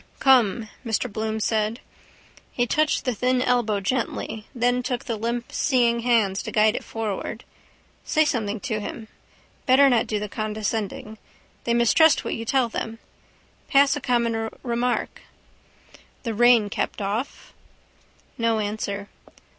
—Come, Mr Bloom said. He touched the thin elbow gently: then took the limp seeing hand to guide it forward. Say something to him. Better not do the condescending. They mistrust what you tell them. Pass a common remark. —The rain kept off. No answer.